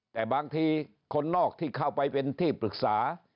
แต่บางทีคนนอกที่เข้าไปเป็นที่ปรึกษา